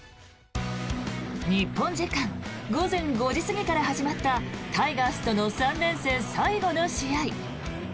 日本時間午前５時過ぎから始まったタイガースとの３連戦最後の試合。